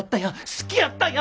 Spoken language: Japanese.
好きやったんや！